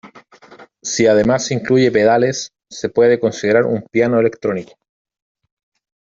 Si además incluye pedales, se puede considerar un piano electrónico.